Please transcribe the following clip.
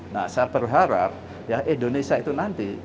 nah saya berharap ya indonesia itu nanti